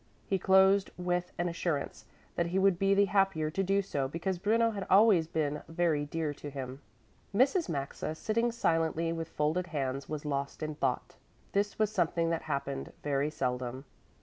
He closed with an assurance that he would be the happier to do so because Bruno had always been very dear to him. Mrs. Maxa, sitting silently with folded hands, was lost in thought. This was something that happened very seldom.